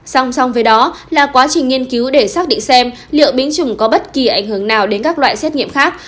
song song với đó là quá trình nghiên cứu để xác định xem liệu biến chủng có bất kỳ ảnh hưởng nào đến các loại xét nghiệm khác